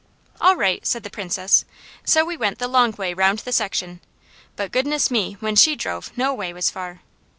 "All right!" said the Princess, so we went the long way round the section, but goodness me! when she drove no way was far.